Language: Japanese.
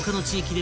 で